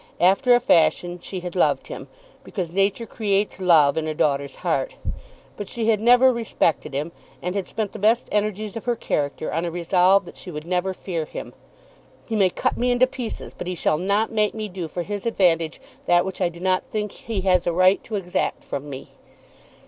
After a fashion she had loved him, because nature creates love in a daughter's heart; but she had never respected him, and had spent the best energies of her character on a resolve that she would never fear him. "He may cut me into pieces, but he shall not make me do for his advantage that which I do not think he has a right to exact from me."